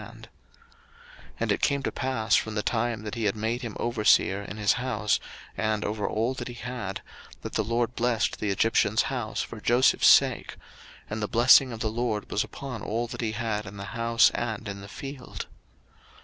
01:039:005 And it came to pass from the time that he had made him overseer in his house, and over all that he had, that the LORD blessed the Egyptian's house for Joseph's sake; and the blessing of the LORD was upon all that he had in the house, and in the field.